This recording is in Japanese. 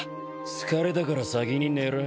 疲れたから先に寝らあ。